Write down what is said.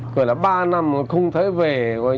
gọi là ba năm mà không thể về